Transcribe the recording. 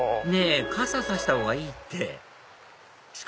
傘差したほうがいいって！